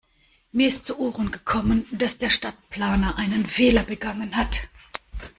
Mir ist zu Ohren gekommen, dass der Stadtplaner einen Fehler begangen hat.